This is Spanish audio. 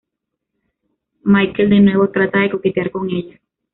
Michael de nuevo trata de coquetear con ella.